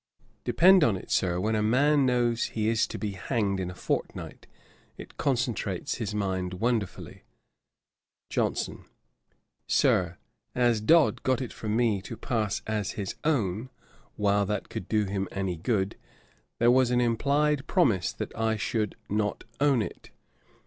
Depend upon it, Sir, when a man knows he is to be hanged in a fortnight, it concentrates his mind wonderfully."' JOHNSON. 'Sir, as Dodd got it from me to pass as his own, while that could do him any good, there was an implied promise that I should not own it.